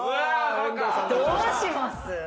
どうします？